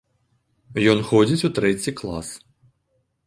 Ён ходзіць у трэці клас.